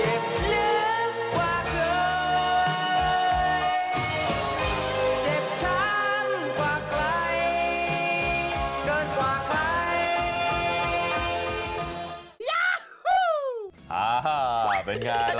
เจ็บทั้งกว่าใครเกินกว่าใคร